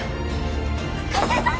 加瀬さん！